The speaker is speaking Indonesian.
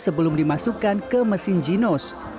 sebelum dimasukkan ke mesin ginos